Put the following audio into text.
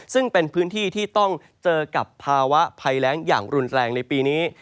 ซึ่งเป็นพื้นที่ที่ต้องเจอกับภาวะภัยแรงอย่างรุนแรงในปีนี้